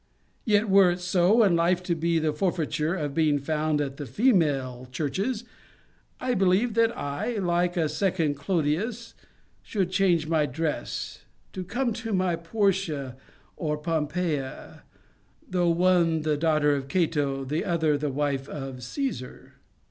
Yet were it so, and life to be the forfeiture of being found at the female churches, I believe that I, like a second Clodius, should change my dress, to come at my Portia or Pompeia, though one the daughter of a Cato, the other the wife of a Caesar.